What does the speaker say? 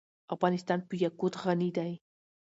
افغانستان په یاقوت غني دی.